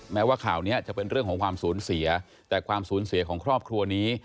แม้ว่าข่าวนี้จะเป็นเรื่องของความสูญเสียแต่ความสูญเสียของครอบครัวนี้